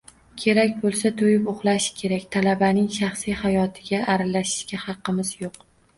Kerak boʻlsa toʻyib uxlashi kerak, talabaning shaxsiy hayotiga aralashishga haqqimiz yoʻq.